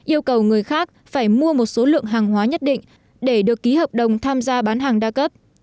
yêu cầu người khác phải mua một số lượng hàng hóa nhất định để được ký hợp đồng tham gia bán hàng đa cấp